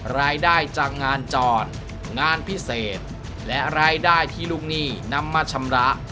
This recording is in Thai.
รายได้จากงานจอดงานพิเศษและรายได้ที่ลูกหนี้นำมาชำระ